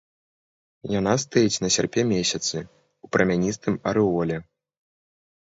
Яна стаіць на сярпе-месяцы, у прамяністым арэоле.